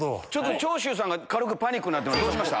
長州さんが軽くパニックにどうしました？